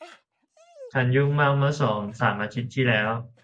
ฉันยุ่งมากเมื่อสองสามอาทิตย์ที่แล้ว